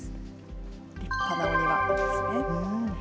立派なお庭ですね。